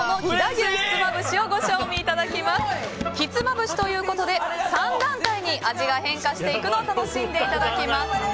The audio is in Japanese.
ひつまぶしということで３段階に味が変化していくのを楽しんでいただけます。